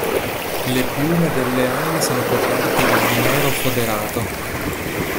Le piume delle ali sono coperte da un nero foderato.